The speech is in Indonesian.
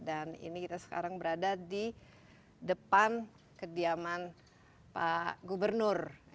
dan ini kita sekarang berada di depan kediaman pak gubernur